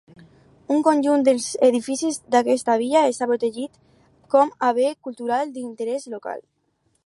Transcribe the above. Un conjunt dels edificis d'aquesta via està protegit com a bé cultural d'interès local.